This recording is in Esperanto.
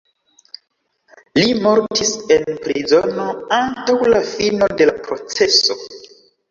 Li mortis en prizono antaŭ la fino de la proceso.